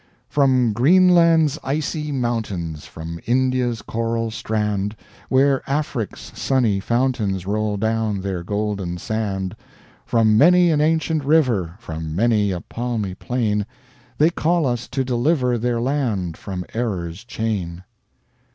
"From Greenland's icy mountains, From India's coral strand, Where Afric's sunny fountains Roll down their golden sand. From many an ancient river, From many a palmy plain, They call us to deliver Their land from error's chain."